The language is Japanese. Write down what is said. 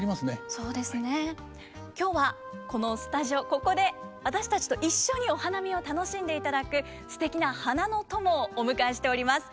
ここで私たちと一緒にお花見を楽しんでいただくすてきな花の友をお迎えしております。